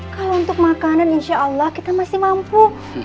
kalau untuk makanan insya allah kita masih mampu